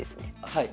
はい。